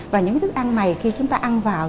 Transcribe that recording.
và những thức ăn này khi chúng ta ăn vào